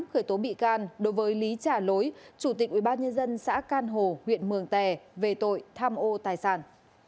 khởi tố bị can đối với lý trả lối chủ tịch ubnd xã can hồ huyện mường tè về tội tham ô tài sản